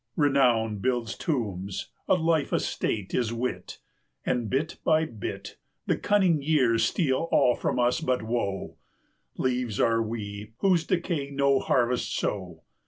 Renown builds tombs; a life estate is Wit; And, bit by bit, The cunning years steal all from us but woe: 290 Leaves are we, whose decays no harvest sow.